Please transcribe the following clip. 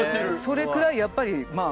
それくらいやっぱりまあ